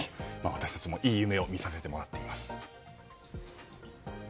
私たちもいい夢を見させてもらっています。